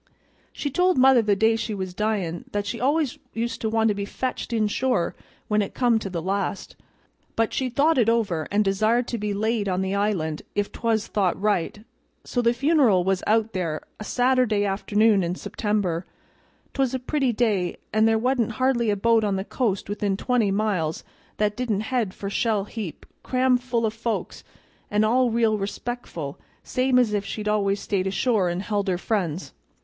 She told mother the day she was dyin' that she always used to want to be fetched inshore when it come to the last; but she'd thought it over, and desired to be laid on the island, if 'twas thought right. So the funeral was out there, a Saturday afternoon in September. 'Twas a pretty day, and there wa'n't hardly a boat on the coast within twenty miles that didn't head for Shell heap cram full o' folks an' all real respectful, same's if she'd always stayed ashore and held her friends.